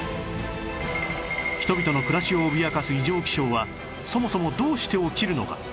人々の暮らしを脅かす異常気象はそもそもどうして起きるのか？